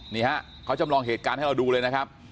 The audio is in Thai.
นี่ฮะเขาจำลองเหตุการณ์ให้เราดูเลยนะครับ